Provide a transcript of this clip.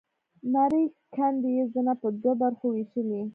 نرۍ کندې يې زنه په دوو برخو وېشلې.